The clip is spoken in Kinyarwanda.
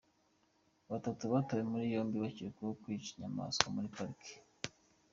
Batatu batawe muri yombi bakekwaho kwica inyamaswa muri pariki